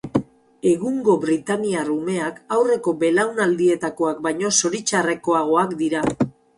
Egungo britainiar umeak aurreko belaunaldietakoak baino zoritxarrekoagoak dira.